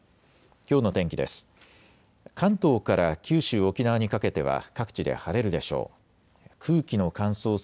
きょうの天気です。